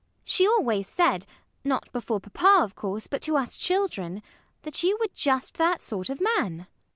She always said not before papa, of course, but to us children that you were just that sort of man.